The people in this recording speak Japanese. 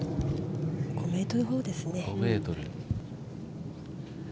５ｍほどですね。